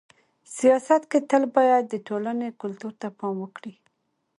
سیاست کي تل باید د ټولني کلتور ته پام وکړي.